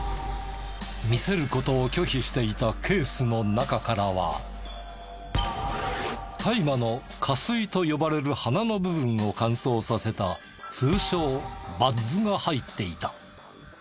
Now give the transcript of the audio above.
見せる事を拒否していたケースの中からは大麻の花穂と呼ばれる花の部分を乾燥させた通称バッズが入っていた。